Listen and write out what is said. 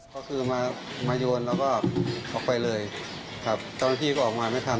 ก็คือมามาโยนแล้วก็ออกไปเลยครับเจ้าหน้าที่ก็ออกมาไม่ทัน